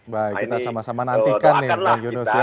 baik kita sama sama nantikan nih pak yunus ya